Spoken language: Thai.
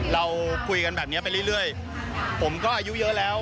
เราคุยกันแบบนี้ไปเรื่อยผมก็อายุเยอะแล้ว